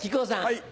はい。